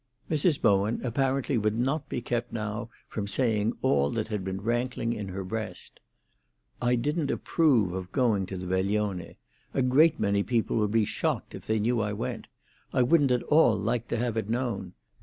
Mrs. Bowen apparently would not be kept now from saying all that had been rankling in her breast. "I didn't approve of going to the veglione. A great many people would be shocked if they knew I went; I wouldn't at all like to have it known.